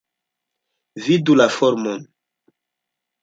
Vidu la formon.